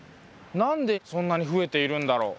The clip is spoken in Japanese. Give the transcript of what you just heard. なんでそんなに増えているんだろう？